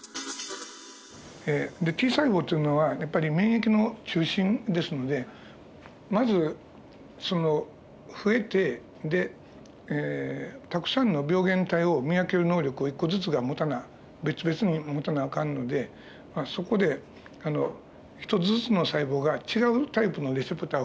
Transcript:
Ｔ細胞っていうのはやっぱり免疫の中心ですのでまず増えてたくさんの病原体を見分ける能力を１個ずつが持たな別々に持たなあかんのでそこで１つずつの細胞が違うタイプのレセプターをつくると。